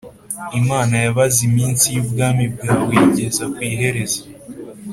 Imana yabaze iminsi y’ ubwami bwawe iyigeza ku iherezo